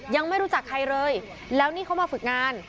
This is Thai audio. ยังไม่รู้จักใครเลยแล้วนี่เขามาฝึกงาน